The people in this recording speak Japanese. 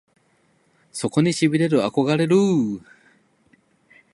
そこに痺れる憧れるぅ！！